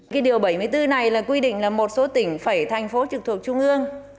cái điều bảy mươi bốn này là quy định là một số tỉnh phải thành phố trực thuộc trung ương